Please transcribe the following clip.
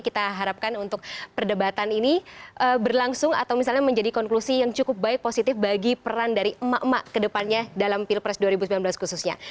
kita harapkan untuk perdebatan ini berlangsung atau misalnya menjadi konklusi yang cukup baik positif bagi peran dari emak emak kedepannya dalam pilpres dua ribu sembilan belas khususnya